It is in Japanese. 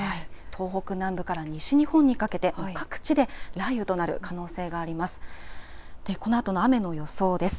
東北南部から西日本にかけて、各地で雷雨となる可能性があります。